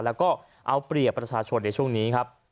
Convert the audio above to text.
แล้วก็เอาเปรียบประชาชนในช่วงนี้ครับ